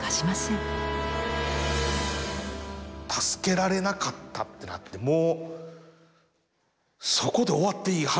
助けられなかったってなってもうそこで終わっていい話ですよ。